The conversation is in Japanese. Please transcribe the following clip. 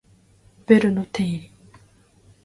ベルの定理